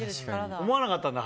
思わなかったんだ？